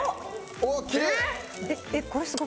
おっきれい！